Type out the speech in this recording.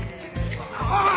おい！